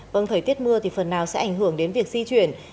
vâng thời tiết mưa thì phần nào sẽ ảnh hưởng đến việc di chuyển